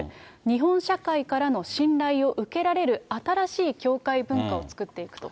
日本社会からの信頼を受けられる新しい教会文化を作っていくと。